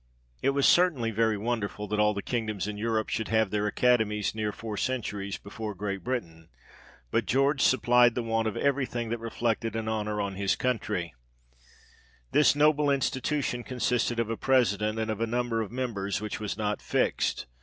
It was certainly very wonderful that all the kingdoms in Europe should have their academies near four centuries before Great Britain, but George supplied the want of every thing that reflected an honour on his 94 THE REIGN OF GEORGE VI. country. This noble institution consisted of a president, and of a number of members which was not fixed.